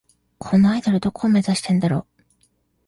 このアイドル、どこを目指してんだろ